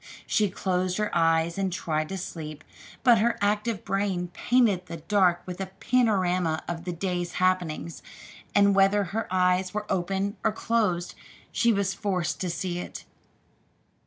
She closed her eyes and tried to sleep, but her active brain painted the dark with a panorama of the day's happenings, and whether her eyes were open or closed, she was forced to see it.